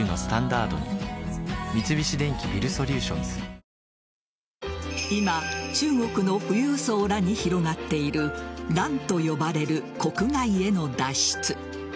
取材を進めると今、中国の富裕層らに広がっている潤と呼ばれる国外への脱出。